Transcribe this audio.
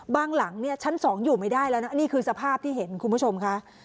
หลังเนี่ยชั้น๒อยู่ไม่ได้แล้วนะนี่คือสภาพที่เห็นคุณผู้ชมค่ะ